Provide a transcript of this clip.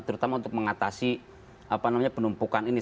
terutama untuk mengatasi penumpukan ini